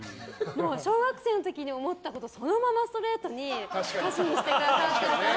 小学生の時に思ったことをそのままストレートに歌詞にしてくださったから。